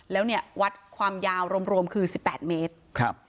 แล้วเนี่ยวัดความยาวรวมคือ๑๘เมตรครับ